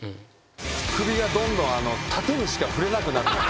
首がどんどん縦にしか振れなく。